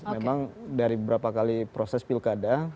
memang dari beberapa kali proses pilkada